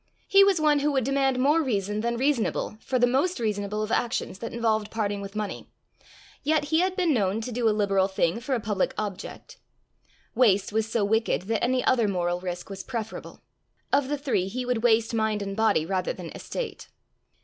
He was one who would demand more reason than reasonable for the most reasonable of actions that involved parting with money; yet he had been known to do a liberal thing for a public object. Waste was so wicked that any other moral risk was preferable. Of the three, he would waste mind and body rather than estate.